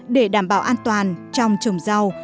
để đảm bảo an toàn trong trồng rau